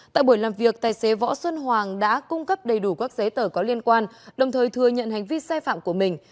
tại buổi làm việc tài xế võ xuân hoàng đã cung cấp đầy đủ các giấy tờ có liên quan đồng thời thừa nhận hành vi sai phạm của mình